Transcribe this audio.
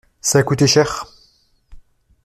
Ça a coûté cher.